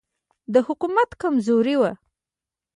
د حکومت کمزوري وه.